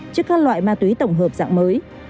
trước các loại ma túy tổng hợp dạng mới